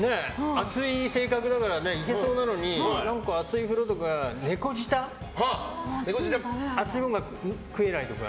熱い性格だからいけそうなのに、熱い風呂とか猫舌、熱いものが食えないとか。